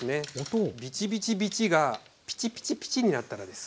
ビチビチビチがピチピチピチになったらです。